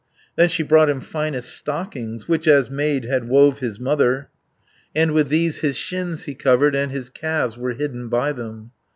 Then she brought him finest stockings, Which, as maid, had wove his mother, And with these his shins he covered, And his calves were hidden by them.